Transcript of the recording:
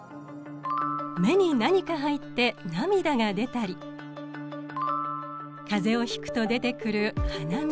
目に何か入って涙が出たり風邪をひくと出てくる鼻水。